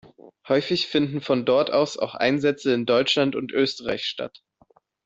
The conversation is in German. Häufig finden von dort aus auch Einsätze in Deutschland und Österreich statt.